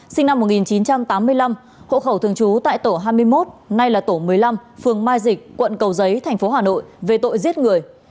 sinh năm một nghìn chín trăm tám mươi năm hộ khẩu thường trú tại tổ hai mươi một nay là tổ một mươi năm phường mai dịch quận cầu giấy tp hà nội về tội giết người